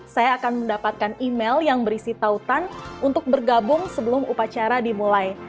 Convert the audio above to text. saya akan mendapatkan email yang berisi tautan untuk bergabung sebelum upacara dimulai